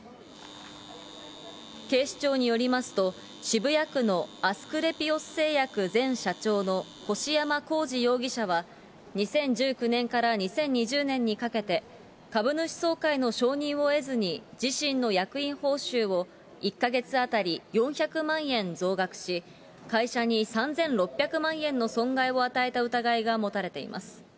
警視庁によりますと、渋谷区のアスクレピオス製薬前社長の越山こうじ容疑者は、２０１９年から２０２０年にかけて、株主総会の承認を得ずに自身の役員報酬を、１か月当たり４００万円増額し、会社に３６００万円の損害を与えた疑いが持たれています。